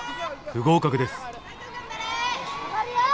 不合格です。